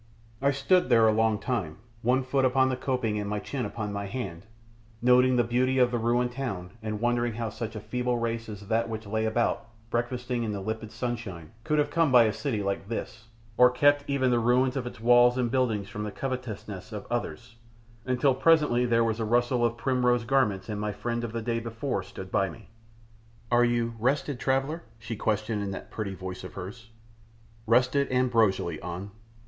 I stood there a long time, one foot upon the coping and my chin upon my hand, noting the beauty of the ruined town and wondering how such a feeble race as that which lay about, breakfasting in the limpid sunshine, could have come by a city like this, or kept even the ruins of its walls and buildings from the covetousness of others, until presently there was a rustle of primrose garments and my friend of the day before stood by me. "Are you rested, traveller?" she questioned in that pretty voice of hers. "Rested ambrosially, An."